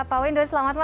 pak windu selamat malam